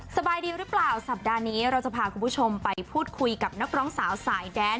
สบายดีหรือเปล่าสัปดาห์นี้เราจะพาคุณผู้ชมไปพูดคุยกับนักร้องสาวสายแดน